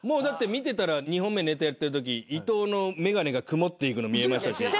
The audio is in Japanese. だって見てたら２本目ネタやってるとき伊藤の眼鏡が曇っていくの見えましたし。